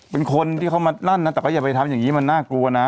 เป็นคนที่เขามานั่นนะแต่ก็อย่าไปทำอย่างนี้มันน่ากลัวนะ